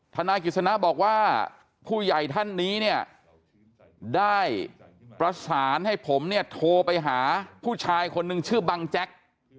ธนายกิจสนะบอกว่าผู้ใหญ่ท่านนี้เนี่ยได้ประสานให้ผมเนี่ยโทรไปหาผู้ชายคนนึงชื่อบังแจ๊ก